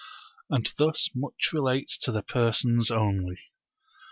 And thus much relates to the persons only.